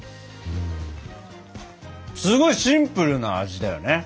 すごいシンプルな味だよね。